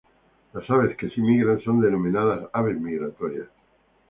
Las aves que sí migran son denominadas aves migratorias.